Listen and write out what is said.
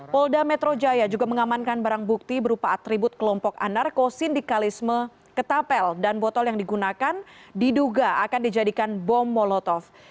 polda metro jaya juga mengamankan barang bukti berupa atribut kelompok anarko sindikalisme ketapel dan botol yang digunakan diduga akan dijadikan bom molotov